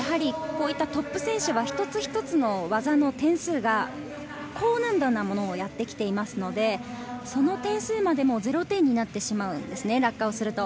プラスアルファ、こういったトップ選手は一つ一つの技の点数が高難度なものをやってきていますのでその点数までも０点になってしまうんですね、落下をすると。